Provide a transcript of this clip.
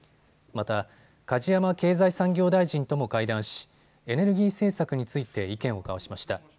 また、梶山経済産業大臣とも会談しエネルギー政策について意見を交わしました。